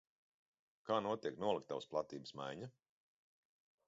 Kā notiek noliktavas platības maiņa?